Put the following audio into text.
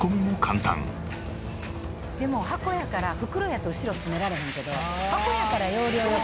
でも箱やから袋やと後ろ詰められへんけど箱やから要領良く。